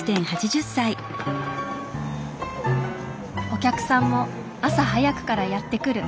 お客さんも朝早くからやって来る。